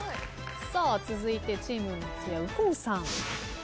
続いてチーム松也右近さん。